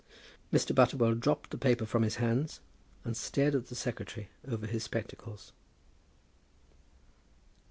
Mr. Butterwell dropped the paper from his hands, and stared at the secretary over his spectacles.